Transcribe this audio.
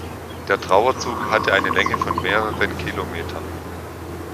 Der Trauerzug hatte eine Länge von mehreren Kilometern.